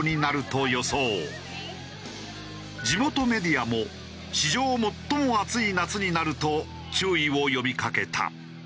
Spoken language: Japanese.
地元メディアも史上最も暑い夏になると注意を呼びかけた。